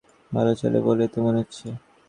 ভালো চলে বলেই তো মনে হচ্ছে।